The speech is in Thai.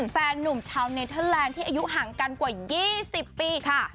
แฟนนุ่มชาวเนเทอร์แลนด์ที่อายุห่างกันกว่า๒๐ปีค่ะ